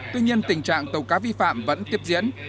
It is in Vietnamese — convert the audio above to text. tuy nhiên tình trạng tàu cá vi phạm vẫn tiếp diễn